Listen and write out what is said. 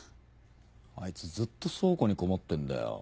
あいつずっと倉庫にこもってんだよ。